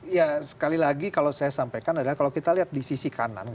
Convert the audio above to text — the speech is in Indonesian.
ya sekali lagi kalau saya sampaikan adalah kalau kita lihat di sisi kanan